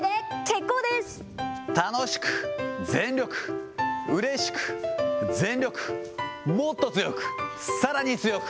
楽しく、全力、うれしく、全力、もっと強く、さらに強く。